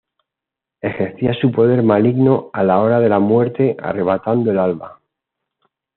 Ejercía su poder maligno a la hora de la muerte arrebatando el alma.